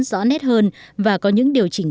rõ nét hơn và có những điều chỉnh